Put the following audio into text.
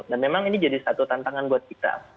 dan memang ini jadi satu tantangan buat kita